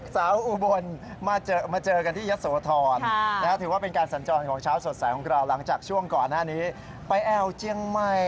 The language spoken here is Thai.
อุบลมาเจอกันที่ยะโสธรถือว่าเป็นการสัญจรของเช้าสดใสของเราหลังจากช่วงก่อนหน้านี้ไปแอวเจียงใหม่